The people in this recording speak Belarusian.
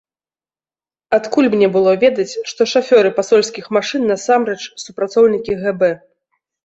Адкуль мне было ведаць, што шафёры пасольскіх машын насамрэч супрацоўнікі гэбэ.